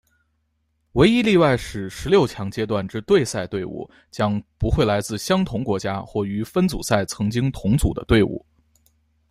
唯一例外是十六强阶段之对赛对伍将不会来自相同国家或于分组赛曾经同组的队伍。